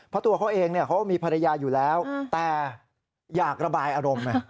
เพราะตัวเขาเองเขาก็มีภรรยาอยู่แล้วแต่อยากระบายอารมณ์